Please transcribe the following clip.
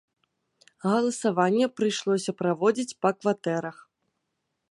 Галасаванне прыйшлося праводзіць па кватэрах.